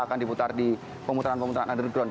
akan diputar di pemutaran pemutaran underground